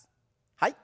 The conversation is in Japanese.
はい。